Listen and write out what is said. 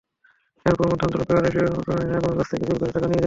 এরপর মাঝেমধ্যে বেলাল এসে সোমার কাছ থেকে জোর করে টাকা নিয়ে যেতেন।